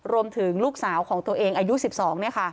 รวมถึงลูกสาวของตัวเองอายุสิบสอง